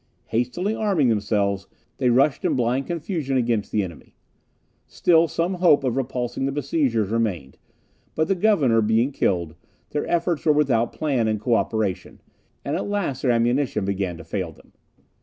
Hastily arming themselves, they rushed in blind confusion against the enemy. Still some hope of repulsing the besiegers remained; but the governor being killed, their efforts were without plan and co operation, and at last their ammunition began to fail them.